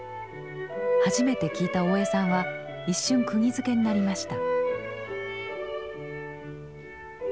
初めて聴いた大江さんは一瞬くぎづけになりました。